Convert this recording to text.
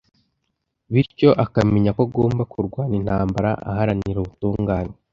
bityo akamenya ko agomba kurwana intambara aharanira ubutungane